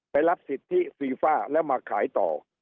รับสิทธิฟีฟ่าแล้วมาขายต่อ